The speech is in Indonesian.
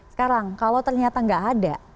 sekarang kalau ternyata nggak ada